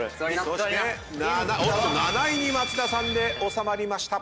７位に松田さんで収まりました。